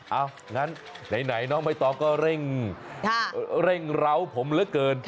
เอางั้นไหนน้องใบตองก็เร่งร้าวผมเหลือเกิน